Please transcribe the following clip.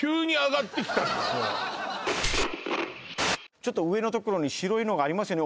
ちょっと上のところに白いのがありますよね